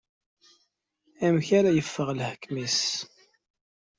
Amek ara yeffeɣ leḥkem-is.